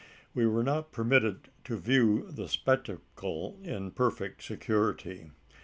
We were not permitted to view the spectacle in perfect security.